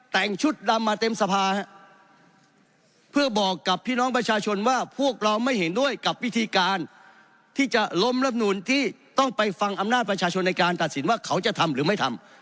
แต่งชุดดำมาเต็มสภาเพื่อบอกกับพี่น้องประชาชนว่าพวกเราไม่เห็นด้วยกับวิธีการที่จะล้มรับนูนที่ต้องไปฟังอำนาจประชาชนในการตัดสินว่าเขาจะทำหรือไม่ทำ